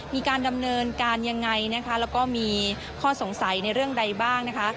มีการดำเนินการยังไงนะคะแล้วก็มีข้อสงสัยในเรื่องใดบ้างนะคะ